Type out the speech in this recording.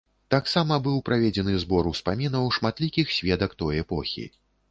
Таксама быў праведзены збор успамінаў шматлікіх сведак той эпохі.